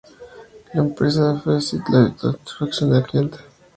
La empresa da fe de la satisfacción del cliente.